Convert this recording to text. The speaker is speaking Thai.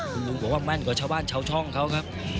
คุณลุงบอกว่าแม่นกว่าชาวบ้านชาวช่องเขาครับ